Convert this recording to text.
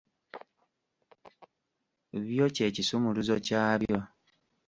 Byo kye kisumuluzo kyabyo .